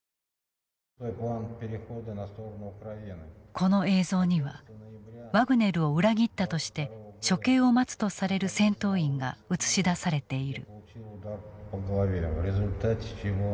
この映像にはワグネルを裏切ったとして処刑を待つとされる戦闘員が映し出されている。